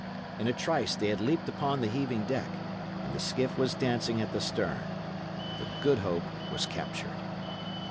In a trice they had leaped upon the heaving deck, and the skiff was dancing at the stern. The Good Hope was captured.